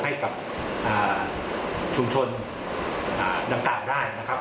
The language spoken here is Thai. ให้กับชุมชนน้ำตาลด้านนะครับ